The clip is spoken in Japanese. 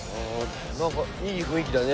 何かいい雰囲気だね。